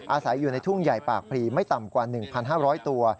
อาศัยอยู่ในทุ่งใหญ่ปากพลีไม่ต่ำกว่า๑๕๐๐ตัว